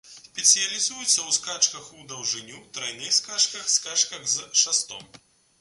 Спецыялізуецца ў скачках у даўжыню, трайных скачках, скачках з шастом.